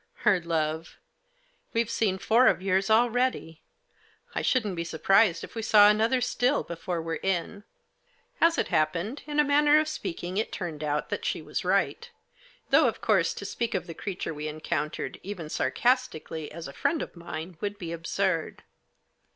Her love !" We've seen four of yours already ; I shouldn't be surprised if we saw another still before we're in." As it happened, in a manner of speaking, it turned out that she was right ; though, of course, to speak of the creature we encountered, even sarcastically, as a friend of mine, would be absurd.